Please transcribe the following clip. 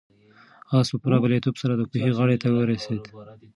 آس په پوره بریالیتوب سره د کوهي غاړې ته ورسېد.